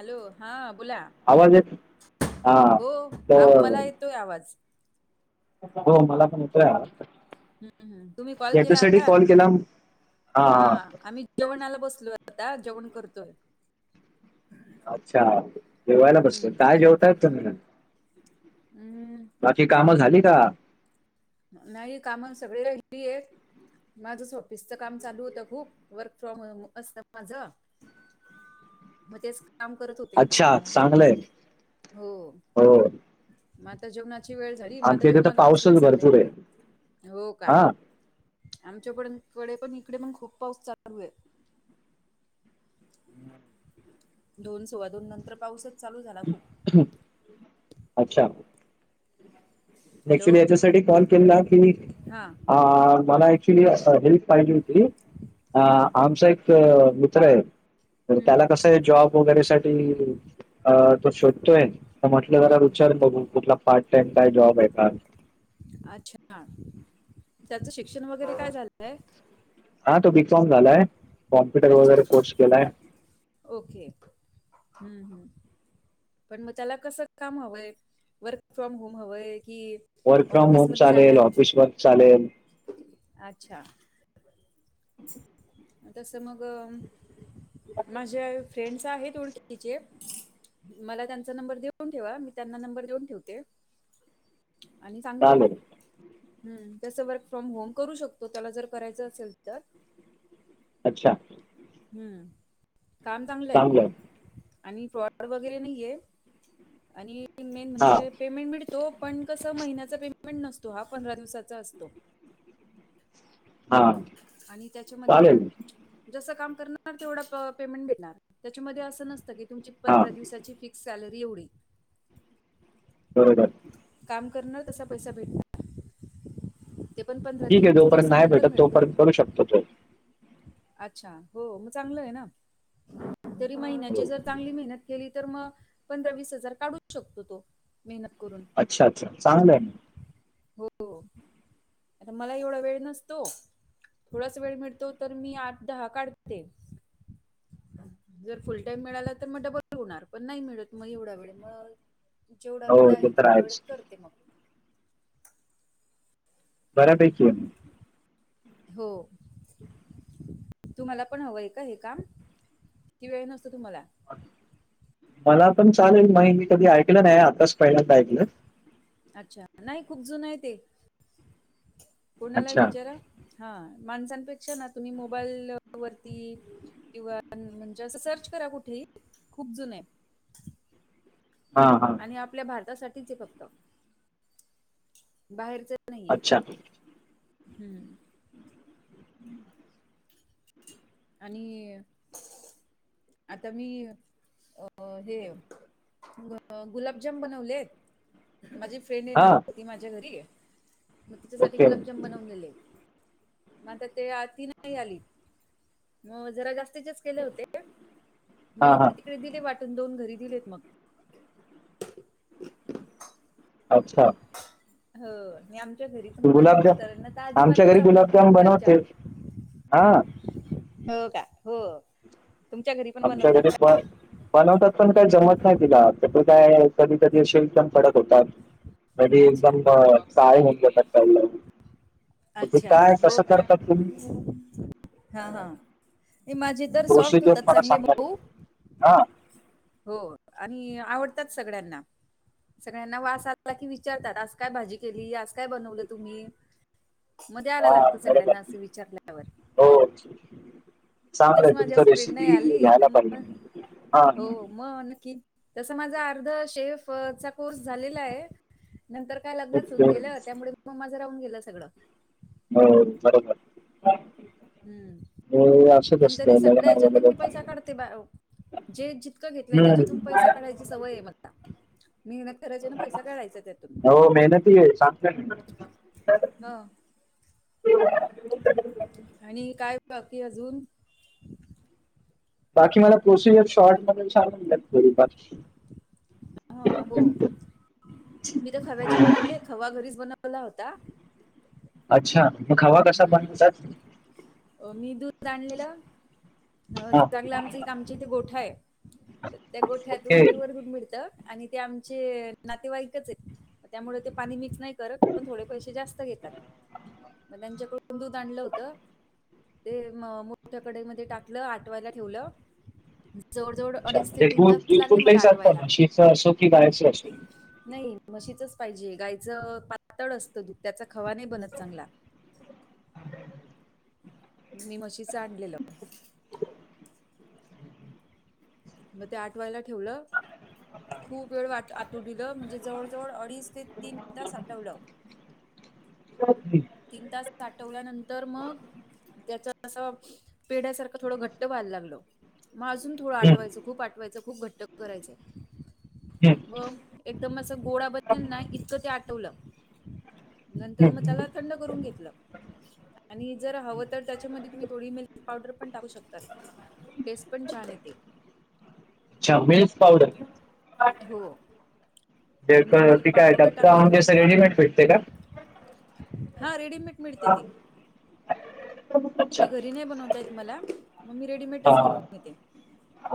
Hello! हा बोला, आवाज येत हा हो आ तर मला येतोय आवाज. हो, मला पण येतोय आवाज. हम्म हम्म. तुम्ही कॉल केला याच्यासाठी आता कॉल केला हा आ आम्ही जेवणाला बसलोय आता जेवण करतोय. अच्छा जेवायला बसलोय हम्म काय जेवताय तुम्ही? हम्म हम्म. बाकी कामं झाली का? नाही कामा सगळी [unintelligible] हे. माझच ऑफिसचं काम चालू होतं खूप वर्क फ्रॉम होम असतं माझं. मग तेच काम करत होते अच्छा चांगलंय हो. हो. म आता जेवणाची वेळ झाली म आता आमच्या इथे तर जेवणाला बसलोय पाऊसच सगळे. भरपूर आहे हो का हा आमच्याकडेन कडे पण इकडे पण खूप पाऊस चालू आहे. दोन सुवादोन नंतर पाऊसच चालू झाला खूप. अच्छा. हॅलो ऍक्च्युली याच्यासाठी कॉल केला की हा अ मला ॲक्च्युली असं हेल्प पाहिजे होती अ हा आमचा ए क मित्र आहे तर त्याला हम्म कसं आहे जॉब वगैरे साठी तो अ शोधतोय म्हटलं जरा हम्म विचारून बघू कुठला पार्ट टाइम काय जॉब आहे का? अच्छा त्याचं शिक्षण वगैरे काय झालंय? हा तो बी कॉम झालाय कॉम्प्युटर अच्छा वगैरे कोर्स केलाय. ओके हम्म हम्म. पण म त्याला कसं काम हवंय वर्क फ्रॉम होम हवंय की वर्क फ्रॉम होम ऑफिसमध्ये चालेल, जाणार? ऑफिस वर्क चालेल. अच्छा तसं मग अम माझ्या फ्रेंड्स आहेत ओळखीचे मला त्यांचा नंबर देऊन ठेवा मी त्यांना नंबर देऊन ठेवते आणि सांगते मग. चालेल हम्म तसं वर्क फ्रॉम होम करू शकतो त्याला जर करायचं असेल तर. अच्छा. हम्म काम चांगलंय चांगलं आणि प्रो ड वगैरे नाही आहेे आणि मेन हा म्हणजे पेमेंट मिळतो. पण कसं महिन्याचा पेमेंट नसतो हा पंधरा दिवसाचा असतो. हा आणि त्याच्यामध्ये चालेल जसं काम करणार तेवढा प पेमेंट देणार त्याच्यामध्ये असं नसतं की तुमची हा पंधरा दिवसाची फिक् स सॅलरी एवढी. बरोबर काम करणार तसा पैसा भेटणार. ते पण पंधरा ते ठीक आहे वीस जोपर्यंत नाही दिवसानंतर भेटत मिळतो. तोपर्यंत करू शकतो तो. अच्छा हो हो म चांगलं आहे ना तरी महिन्याची हो. जर चांगली मेहन्यात केली तर म पंधरा वीस हजार काढू शकतो तो मेहनत करून. अच्छा अच्छा चांगलंय म. हो आता मला ही एवढा वेळ नसतो थोडासा वेळ मिळतो तर मी आठ दहा काढते जर फुल टाइम मिळाला मग डबल होणार पण नाही मिळत मग एवढा वेळ मग जेवढा वेळ हो ते आहे तर तेवढ्या आहेच वेळच करते मग. बऱ्यापैकीय हो. तुम्हाला पण हवंय का हे काम कि वेळ नसतो तुम्हाला? मला पण चालेल महि मी कधी ऐकलं नाय आताच पहिल्यांदा ऐकलं. अच्छा नाय खूप जुन आय ते कोणाला अच्छा विचारा हा माणसांपेक्षा ना तुम्ही मोबाईल वरती किंवा म्हणजे असं सर्च करा कुठेही खूप जुन आय. हां हां. आणि आपल्या भारतासाठीच ए फक्त. बाहेरचे नाहीये अच्छा हम्म. आणि आता मी अ हे गुलाबजाम बनवलेत माझी फेन येणार हां होती माझ्या घरी म त्याच्या साठी ओके गुलाबजाम ब नवलेले म आता ते ती नाय आली. मग जरा जास्तीचेच केले होते मग हां हां इकडे तिकडे दिले वाटून दोन घरी दिलेत मग. अच्छा. हो आणि आमच्या घरीच माझ्या गुलाबजाम मिस्टरांना त आमच्या अजीबातच घरी आवडत नाय बनवते गुलाबजाम. हां. हो का हो. तुमच्या घरी पण आमच्या बनवतात घरी का? पण बनवतात पण काय जमत नाय तिला त्याच काय कधी कधी अशे एकदम कडक होतात. आणि अच्छा एकदम काळे होऊन जातात. तर ते अच्छा काय हो कसं का, करतात तुम्ही हा हा माझे सॉफ्ट होतात चांगले म हा. हो आणि आवडत्यात सगळ्यांना. सगळ्यांना वास आला की विचारतात आज काय भाजी केली आज काय बनवलं तुम्ही? म द्याला हां लागतं सगळ्यांना बरोबर अस विचारल्यावर. हो चांगलं आय तेच माझी तुमच आज फ्रेंड नाही रेसिपी घ्यायला पाहिजे हा हा. म नक्की, तस माझा अर्ध शेफ चा कोर्स झालेला आय. नंतर काय लग्नच होऊन ओके गेलं त्यामुळे मग माझं राहून गेलं सगळं. हो बरोबर. हे हम्म, असंच पण तरी असतं सगळ्या लग्न हेच्यातून वगैरे मी झालं. पैसा काढते बा जे -जितकं घेतलंय त्याच्यातून हम्म पैसा काढायची सवय आय मला. मेहनत करायची अन् पैसा काय काढायचा त्यातून हो मेहनती आहे सांगतोय ना हा. आणि काय बाकी अजून? बाकी मला प्रोसिजर शॉर्ट सांग म्हनल स्वरूपात. हो मी तर खव्याचे बनवले खवा घरीच बनवला होता. अच्छा मग खवा कसा बनवतात? म -मी दूध आणलेल. अ हा चांगलं आमचा इथ आमच्या इथे गोठा आय, तर त्या गोठ्यातून ओके पिवर दूध मिळतं. आणि ते आमचे नातेवाईकच एत. त्यामुळे ते पाणी मिक्स नाय करत पण थोडे पैसे जास्त घेतात. म त्यांच्याकडून दूध आणलं होत ते मोठ्या कढई मध्ये टाक कलं आठवायला ठेवलं. जवळ जवळ अच्छा अडीच ते म्हणजे तीन दूध तास दूध लागले कुठलंही मला चालतं आठवायला, म्हशीचं असो की गायचं असो नाही म्हशीचच पाहिजे गायचं पातळ असतं दूध त्याचा खवा नाही बनत चांगला. मी म्हशीच आणलेलं. मग ते आठवायला ठेवलं खूप वेळ आठू दिलं म्हणजे जवळजवळ अडीच ते तीन तास आठवलं. [unintelligible] तीन तास आठवल्यानंतर मग त्याच असं पेढ्यासारखं थोडं घट्ट व्हायला लागलं मग अजून थोडं हम्म आठवायचं खूप आठवायचं खूप घट्ट करायचं. हम्म म एकदम असं गोळा बनेल ना इतकं ते आठवलं नंतर मग हम्म. त्याला थंड करून घेतलं. आणि जर हवं तर त्याच्यामध्ये तुम्ही थोडी मिल्क पावडर पण टाकू शकताय. टेस्ट पण छान येते. अच्छा, मिल्स पावडर हो मग मी त मिल्क काय पावडर टाकली थोडी [unintelligible] रेडिमेड भेटते काय? हा रेडीमेड मिळते का ती. अच्छा ती घरी नाही बनवता येत मला मग मी रेडीमेडच हा घेऊन येते.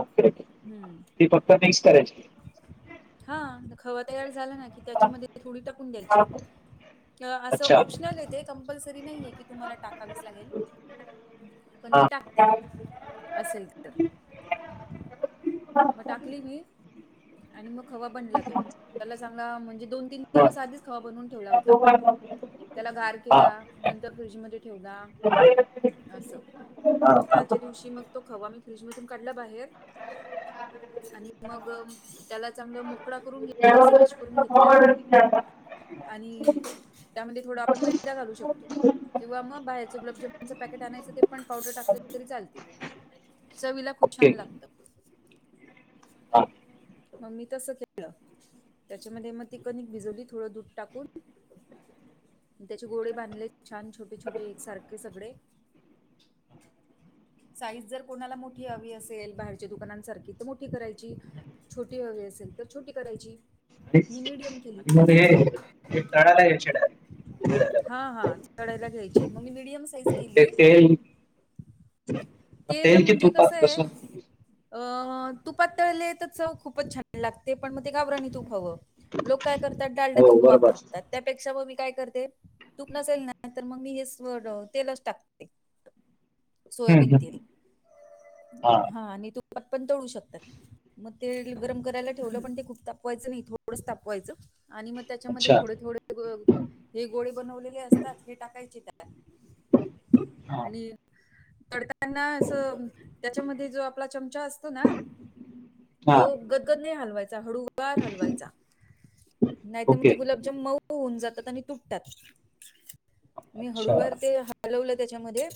ओके ओके ती फक्त मिक्स मग करायची? हा खवा तयार झाला ना की त्याच्यामध्ये थोडी टाकून द्यायची असं अच्छा ऑप्शनल हाय ते कंपल्सरी नाहीे हाय की तुम्हाला टाकावीच लागेल. पण हा मी टाकते असेल तर मग टाकली मी आणि मग खवा बनला तो त्याला चांगला म्हणजे दोन, तीन हा दिवस आधीच खावा बनवून ठेवला होता. त्याला गार हा केला, नंतर फ्रीजमध्ये ठेवला. असं हा मग हा कालच्या दिवशी मग तो खवा मी फ्रीजमधून काढला बाहेर आणि मग त्याला चांगलं मोकळा करून घेतला स्मॅश करून घेतला आणि त्यामध्ये थोडा आपण मैदा घालू शकतो. किंवा मग बाहेरचं गुलाबजामनचं पॅकेट आणायंच ते पण पावडर टाकलं तरी चालते. चवीला खूप ओके छान लागत. हा आणि मग मी तसं केलं त्याच्यामध्ये मग ती कनिक भिजवली थोडं दूध टाकून त्याचे गोळे बांधले छान छोटे, छोटे एकसारखे सगळे साईज जर कोणाला मोठी हवी असेल बाहेरच्या दुकानांसारखी तर मोठी करायची छोटी हवी असेल तर छोटी करायची मी मिडियम केली. आणि हे तळायला घ्यायचे [unintelligible] हा हा तळायला घ्यायची मग मी मीडियम साईज ते केली, तेल तेल म्हणजे कसं आहे. अ तुपात तळले तर चव खूपच छान लागते पण मग ते गावरानी तूप हवं. लोक काय करतात डालड्या हो तुप बरोबर वापरतात त्यापेक्षा म मी काय करते तुप नसेल नाही तर मग मी हेच तेलच टाकते. हम्म सोयाबीन हम्म तेल हा आणि तूपात पण तळु शकतात. मग तेल गरम करायला ठेवलं पण ते खूप तापवायचं नाही थोडंच तापवायचं आणि मग त्याच्यामध्ये अच्छा थोडे, थोडे हे गोळे बनवलेले असतात हे टाकायचे त्या हा आणि तडका. त्यांना असं त्यांच्यामध्ये जो, आपला चमचा असतो ना. हा तो गदगद नाही हलवायचा, हळूवार हलवायचा नाहीतर मग ओके ते गुलाब म्हणजे मऊ होऊन जातात, आणि तुटतात. मी अच्छा हळूवार हम्म ते हलवलं तेच्यामध्ये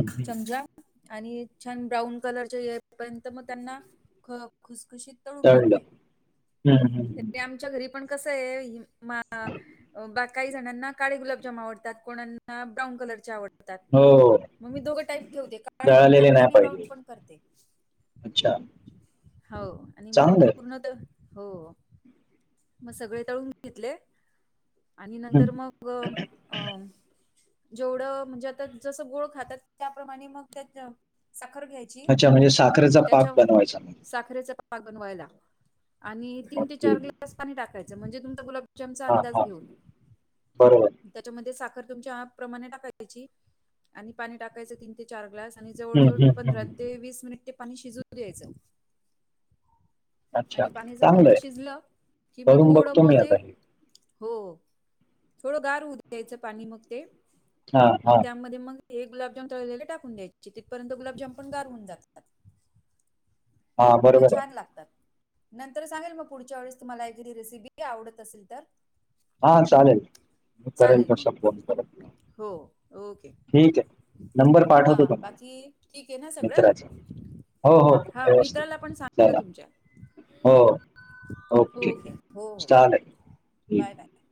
हम्म चमचा. आणि छान ब्राऊन कलरच्या इयर पर्यंत, मग त्यांना खुसखुशीत. तळून तळलं घेतले, हम्म हम्म हम्म. आमच्या घरी पण कसेय. बाकाही जणांना काळे गुलाबजाम आवडतात, कोणाना ब्राऊन कलरचे आवडतात. हो मग मी दोघं टाईप ठेवते, काळे पण जळालेले करते नाही आणि ब्राऊन पाहिजे पण करते. अच्छा हो आणि मग चांगलं पूर्णतः हो. मग सगळे तळून घेतले, आणि हम्म नंतर मग अं. जेवढं म्हणजे आता जसं गोड खातात त्याप्रमाणे, मग त्या साखर घ्याय ची अच्छा म्हणजे साखरेचा पाक त्यांच्या बनवायचा मग साखरेच पाणी पाक बनवायला आणि तीन ते ओके चार ग्लास पाणी टाकायचं म्हणजे, तुमचा गुलाबजामचा हा अंदाज हा घेऊन. बरोबर. त्याच्यामध्ये साखर तुमच्या आ प्रमाणे टाकायची, आणि पाणी टाकायचं तीन ते चार ग्लास आणि, जवळ हम्म, जवळ हम्म, पंधरा हम्म. ते वीस मिनिट ते पाणी शिजू जू द्यायचं. अच्छा आणि पाणी चांगलं आहे शिजलं कि, मग करून थोडं बघतो मग मी ते. आता हे हो थोडं गार होऊ द्यायचं पाणी मग ते, हा मग हा त्यांमध्ये मग. हे गुलाबजाम तळलेले टाकून द्यायचे, तिथपर्यंत गुलाबजाम पण गार होवून जातात. हा मग बरोबर छान आहे लागतात. नंतर सांगेल मग पुढच्या वेळेस, तुम्हाला वेगळी रेसिपी आवडत असेल तर. हा चालेल, मग करेल चालेल मग तसं फोन परत मग. हो ओके. ठीक ये, नंबर हा पाठवतो तुम्हाला बाकी ठीक आहे ना सगळं मित्राचा. हो हो व्यवस्थित. तुम्ही पण सांगा चला तुमच्या हो ओके हो हो. चालेल ठीक बाय बाय.